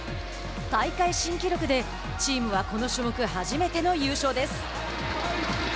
大会新記録でチームはこの種目初めての優勝です。